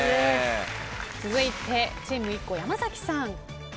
続いてチームＩＫＫＯ山崎さん。